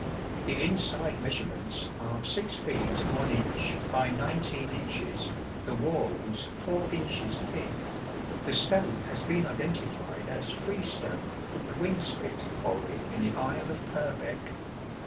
The inside measure ments are 6 feet 1 inch by 19 inches, the walls 4 inches thick. The stone has been identified as freestone from the Winspit quarry in the Isle of Purbeck.